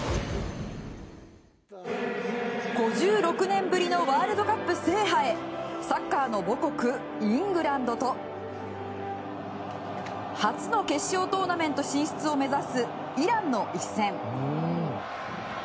５６年ぶりのワールドカップ制覇へサッカーの母国イングランドと初の決勝トーナメント進出を目指すイランの一戦。